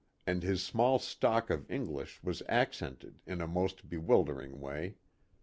And his small stock of English was accented in a most bewildering way.